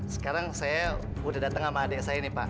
sekarang saya udah datang sama adik saya nih pak